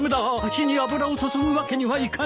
火に油を注ぐわけにはいかない。